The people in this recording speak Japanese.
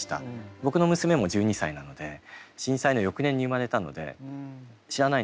僕の娘も１２歳なので震災の翌年に生まれたので知らないんですよ。